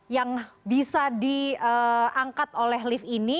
yang bisa diangkat oleh lift ini